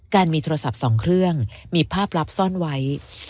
มีโทรศัพท์๒เครื่องมีภาพลับซ่อนไว้